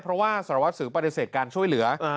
เพราะว่าสารวัสสิวปฏิเสธการช่วยเหลือ